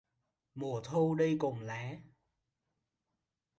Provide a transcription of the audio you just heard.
Mùa thu đi cùng lá